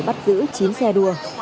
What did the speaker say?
bắt giữ chín xe đua